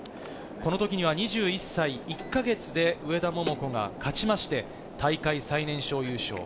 このときには２１歳１か月で上田桃子が勝ちまして、大会最年少優勝。